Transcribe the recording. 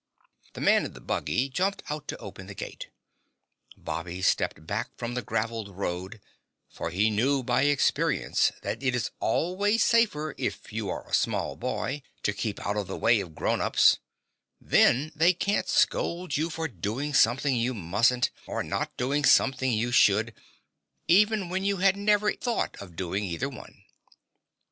The man in the buggy jumped out to open the gate. Bobby stepped back from the graveled road, for he knew by experience that it is always safer, if you are a small boy, to keep out of the way of grown up folks then they can't scold you for doing something you mustn't, or not doing something you should, even when you had never thought of doing either one.